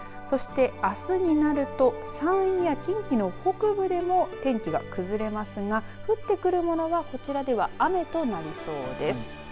そしてあすになると山陰や近畿の北部でも天気が崩れますが降ってくるものはこちらでは雨となりそうです。